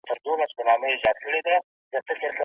يوه شاعر د سپين كاغذ پر صفحه دا وليكل